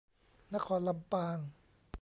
นครลำปาง